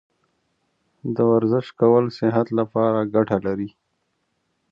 د ورزش کول صحت لپاره ګټه لري.